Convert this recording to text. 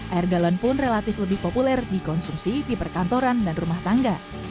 air galon pun relatif lebih populer dikonsumsi di perkantoran dan rumah tangga